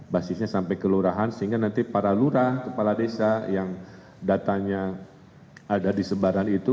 basisnya sampai kelurahan sehingga nanti para lurah kepala desa yang datanya ada di sebaran itu